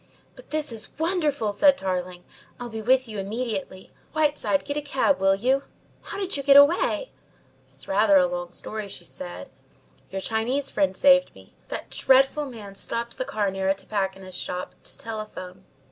"But, this is wonderful!" said Tarling. "I'll be with you immediately. Whiteside, get a cab, will you? How did you get away?" "It's rather a long story," she said. "Your Chinese friend saved me. That dreadful man stopped the cab near a tobacconist's shop to telephone.